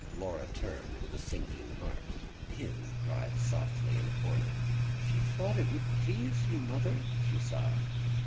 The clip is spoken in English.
Laura turned, with a sinking heart. Pin cried softly in a corner. "She thought it would please you, mother," she sobbed.